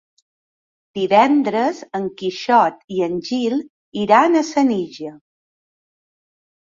Divendres en Quixot i en Gil iran a Senija.